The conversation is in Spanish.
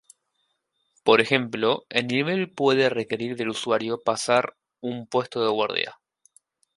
Por ejemplo, el nivel puede requerir del usuario pasar un puesto de guardia.